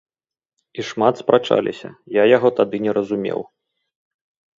І шмат спрачаліся, я яго тады не разумеў.